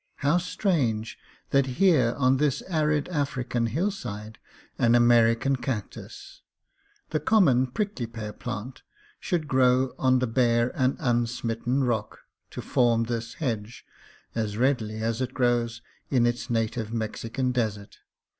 How strange that here on this arid African hillside an Ameri can cactus, the common prickly pear plant, should grow on the bare and unsmitten rock, to form this hedge, as readily as it grows in its native Mexican desert.